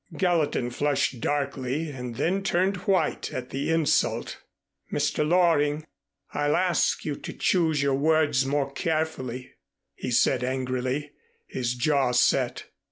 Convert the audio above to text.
Gallatin flushed darkly and then turned white at the insult. "Mr. Loring, I'll ask you to choose your words more carefully," he said angrily, his jaw set.